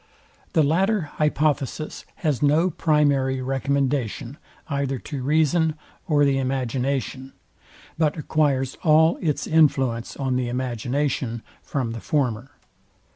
The latter hypothesis has no primary recommendation either to reason or the imagination, but acquires all its influence on the imagination from the former.